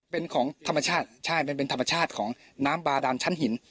เป็นของธรรมชาติใช่มันเป็นธรรมชาติของน้ำบาดานชั้นหิน